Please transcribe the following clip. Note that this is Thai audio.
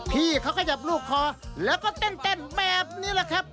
พี่เขาขยับลูกคอแล้วก็เต้นแบบนี้แหละครับ